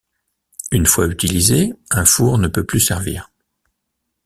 Une fois utilisé, un four ne peut plus servir.